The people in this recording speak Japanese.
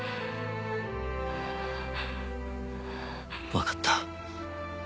分かった。